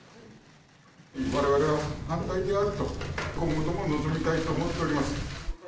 われわれは反対であると、今後とものぞみたいと思っております。